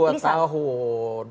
peluangnya masih ada gak